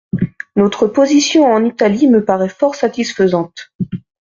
Notre position en Italie me paraît fort satisfaisante.